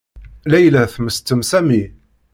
Layla temmesten Sami.